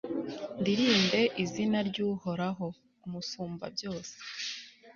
ndirimbe izina ry'uhoraho, umusumbabyose